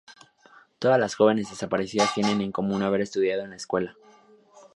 Todas las jóvenes desaparecidas tienen en común haber estudiado en esa escuela.